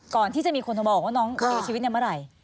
ก่อนที่จะมีคนโทรมาบอกว่าน้องเสียชีวิตในเมื่อไหร่